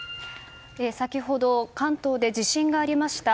先ほど関東で地震がありました。